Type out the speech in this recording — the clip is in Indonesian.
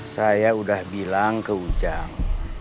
saya udah bilang ke ujang